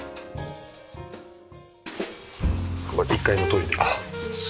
ここが１階のトイレです。